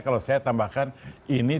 kalau saya tambahkan ini